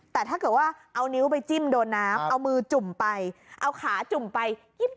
แต่ถ้าเกิดว่าเอานิ้วไปจิ้มโดนน้ำเอามือจุ่มไปเอาขาจุ่มไป